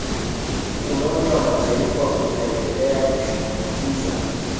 umoja wa mataifa utaendelea kushinikiza